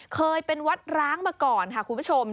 เคยเป็นวัดร้างมาก่อนค่ะคุณผู้ชม